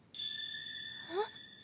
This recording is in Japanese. えっ？